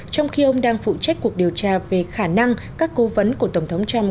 trong khi ông đang phụ trách cuộc điều tra về khả năng các cố vấn của tổng thống trump